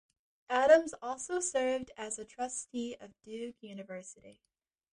Adams also served as a trustee of Duke University.